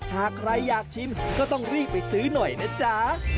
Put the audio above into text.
หากใครอยากชิมก็ต้องรีบไปซื้อหน่อยนะจ๊ะ